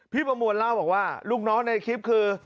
ประมวลเล่าบอกว่าลูกน้องในคลิปคือ